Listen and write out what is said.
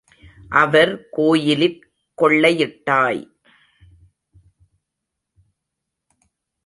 அவர் கோயிலிற் கொள்ளையிட்டாய்.